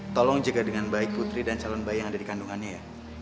tolong jaga dengan baik putri dan calon bayi yang ada di kandungannya ya